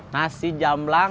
nasi jam lang